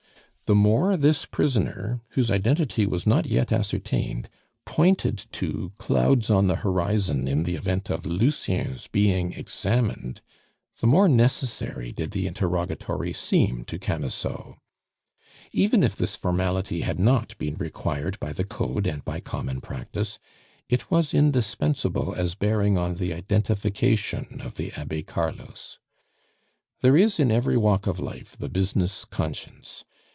The more this prisoner whose identity was not yet ascertained pointed to clouds on the horizon in the event of Lucien's being examined, the more necessary did the interrogatory seem to Camusot. Even if this formality had not been required by the Code and by common practice, it was indispensable as bearing on the identification of the Abbe Carlos. There is in every walk of life the business conscience.